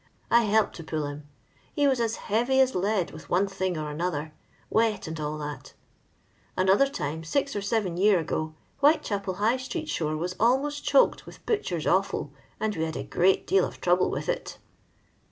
I helped to pull him. He was as eary as lead with one thing or other — wet» and all that Another time, six or seven year ago, Whiiechapel High street tikon was almost choked with butchers' o&l, and we had a great deal of trouble with it."